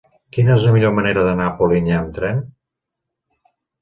Quina és la millor manera d'anar a Polinyà amb tren?